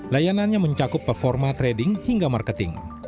layanannya mencakup performa trading hingga marketing